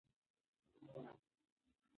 آیا زده کوونکي خپل کورنی کار ترسره کوي؟